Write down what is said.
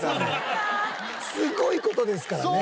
すごい事ですからね。